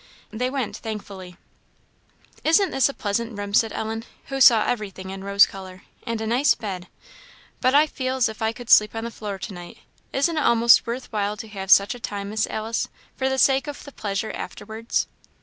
They went thankfully. "Isn't this a pleasant room?" said Ellen, who saw everything in rose colour; "and a nice bed? But I feel as if I could sleep on the floor to night. Isn't it a'most worth while to have such a time, Miss Alice, for the sake of the pleasure afterwards?"